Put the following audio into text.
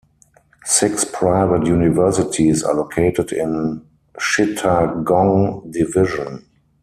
Six private universities are located in Chittagong Division.